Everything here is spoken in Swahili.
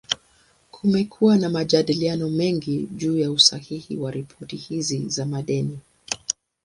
Kumekuwa na majadiliano mengi juu ya usahihi wa ripoti hizi za madeni.